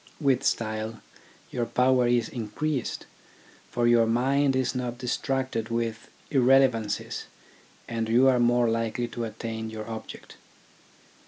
With style your power is increased, for your mind is not distracted with irrelevancies, and you are more likely to attain your object.